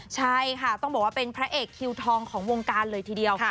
ใช่ค่ะต้องบอกว่าเป็นพระเอกคิวทองของวงการเลยทีเดียว